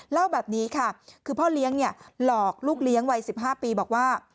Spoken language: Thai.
เล่าแบบนี้ค่ะคือพ่อเลี้ยงหลอกลูกเลี้ยงวัย๑๕ปีบอกว่า